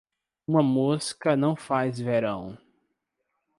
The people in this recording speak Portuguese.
Uma mosca não faz verão.